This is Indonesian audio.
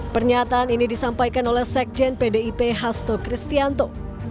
pernyataan ini disampaikan oleh sekjen pdip hasto kristianto